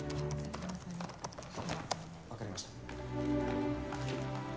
わかりました。